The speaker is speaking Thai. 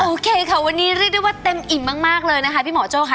โอเคค่ะวันนี้เรียกได้ว่าเต็มอิ่มมากเลยนะคะพี่หมอโจ้ค่ะ